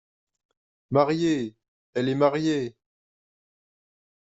Mariée !… elle est mariée !